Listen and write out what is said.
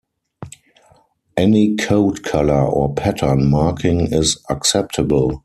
Any coat colour or pattern marking is acceptable.